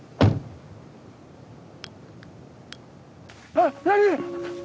あっ何？